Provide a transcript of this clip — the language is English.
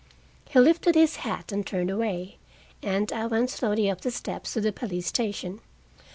He lifted his hat and turned away, and I went slowly up the steps to the police station.